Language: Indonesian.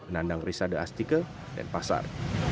nandang risade astike denpasar